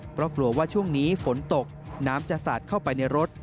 เพราะกลัวว่าช่วงนี้ฝนตกน้ำจะสาดเข้าไปในรถ